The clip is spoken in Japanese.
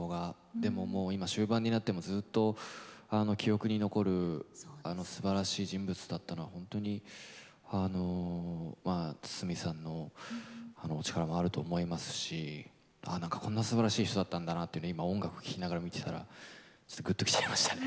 でももう終盤になってもずっと記憶に残るすばらしい人物だったのは本当にまあ堤さんのお力もあると思いますし何かこんなすばらしい人だったんだなっていうのを今音楽聴きながら見てたらちょっとグッときちゃいましたね。